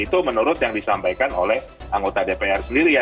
itu menurut yang disampaikan oleh anggota dpr sendiri ya